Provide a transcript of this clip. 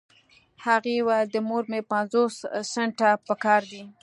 هغې وويل د مور مې پنځوس سنټه پهکار دي.